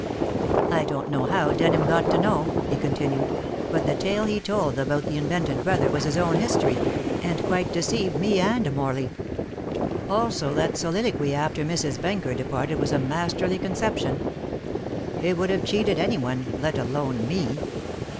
"I don't know how Denham got to know," he continued, "but the tale he told about the invented brother was his own history, and quite deceived me and Morley. Also that soliloquy after Mrs. Benker departed was a masterly conception. It would have cheated any one, let alone me.